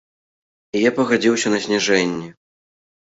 І я пагадзіўся на зніжэнне.